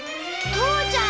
父ちゃん！